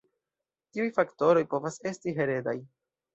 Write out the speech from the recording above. Tiuj faktoroj povas esti heredaj.